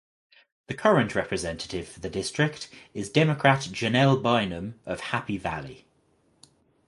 The current representative for the district is Democrat Janelle Bynum of Happy Valley.